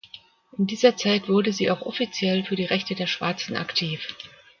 In dieser Zeit wurde sie auch offiziell für die Rechte der Schwarzen aktiv.